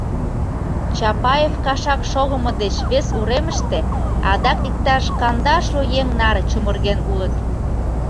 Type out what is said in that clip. Чапаев кашак шогымо деч вес уремыште адак иктаж кандашлу еҥ наре чумырген улыт.